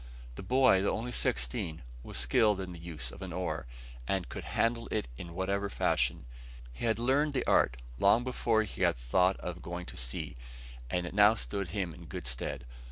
The boy, though only sixteen, was skilled in the use of an oar, and could handle it in whatever fashion. He had learnt the art long before he had thought of going to sea; and it now stood him in good stead.